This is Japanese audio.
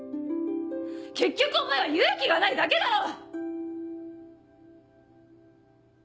結局お前は勇気がないだけだろ！